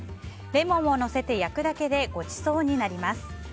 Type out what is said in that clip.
レモンをのせて焼くだけでごちそうになります。